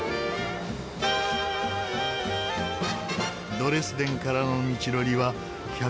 ドレスデンからの道のりは１２０キロ。